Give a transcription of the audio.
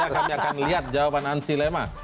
jadi kami akan lihat jawaban ansyi lema